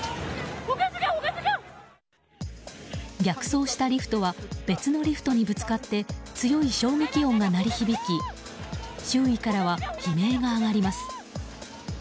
逆走したリフトは別のリフトにぶつかって強い衝撃音が鳴り響き周囲からは悲鳴が上がります。